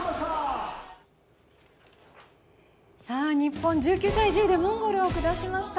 日本１９対１０でモンゴルを下しました。